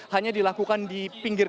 hanya dilakukan di pinggirkan